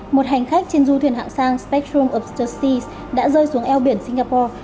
một hành khách trên du thuyền hạng sang spectrum of justice đã rơi xuống eo biển singapore